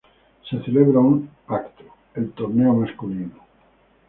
Se celebra un evento, el torneo masculino.